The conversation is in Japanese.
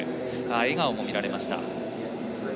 笑顔も見られましたリード。